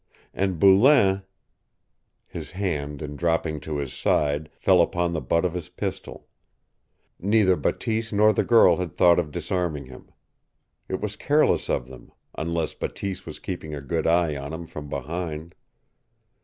And Boulain His hand, in dropping to his side, fell upon the butt of his pistol. Neither Bateese nor the girl had thought of disarming him. It was careless of them, unless Bateese was keeping a good eye on him from behind.